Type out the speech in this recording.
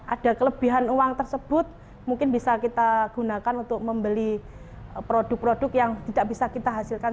ada kelebihan uang tersebut mungkin bisa kita gunakan untuk membeli produk produk yang tidak bisa kita hasilkan